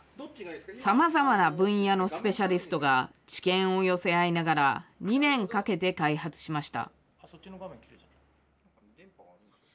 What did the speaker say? さまざまな分野のスペシャリストが、知見を寄せ合いながら、２年かけて開発しました。